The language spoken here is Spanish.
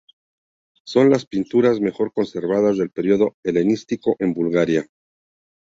Son las pinturas mejor conservadas del período helenístico en Bulgaria.